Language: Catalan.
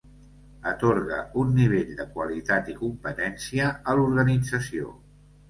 Atorga un nivell de qualitat i competència a l'organització.